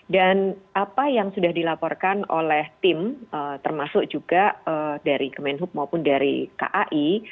dan apa yang sudah dilaporkan oleh tim termasuk juga dari kemenhub maupun dari kai